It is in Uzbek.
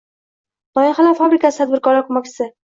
“Loyihalar fabrikasi” – tadbirkorlar ko‘makchising